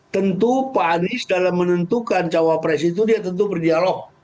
tentu pak anies dalam menentukan cawapres itu dia tentu berdialog